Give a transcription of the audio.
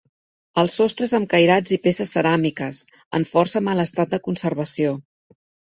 El sostre és amb cairats i peces ceràmiques, en força mal estat de conservació.